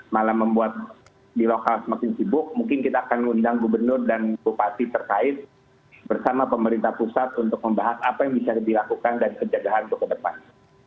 malah membuat di lokal semakin sibuk mungkin kita akan ngundang gubernur dan bupati terkait bersama pemerintah pusat untuk membahas apa yang bisa dilakukan dan penjagaan untuk ke depan